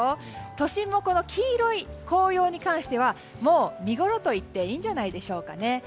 都心も黄色い黄葉に関しては見ごろといってもいいんじゃないでしょうか。